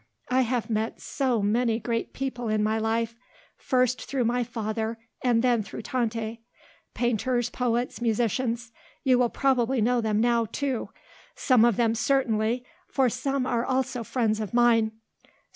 I have met so many great people in my life, first through my father and then through Tante. Painters, poets, musicians. You will probably know them now, too; some of them certainly, for some are also friends of mine.